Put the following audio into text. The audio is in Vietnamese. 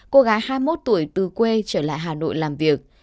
cô gái hai mươi một tuổi từ quê trở lại hà nội làm việc